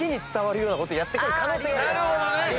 なるほどね！